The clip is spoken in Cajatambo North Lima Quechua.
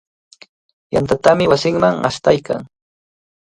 Yantatami wasinman ashtaykan.